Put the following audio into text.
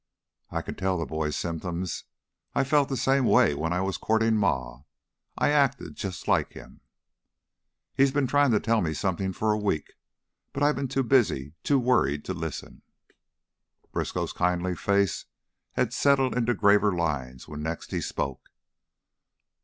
"I can tell the boy's symptoms. I felt the same way when I was courtin' Ma. I acted just like him." "He has been trying to tell me something for a week, but I've been too busy and too worried to listen." Briskow's kindly face had settled into graver lines when next he spoke.